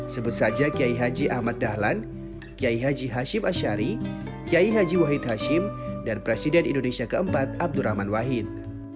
sebut saja kiai haji ahmad dahlan kiai haji hashim ashari kiai haji wahid hashim dan presiden indonesia keempat abdurrahman wahid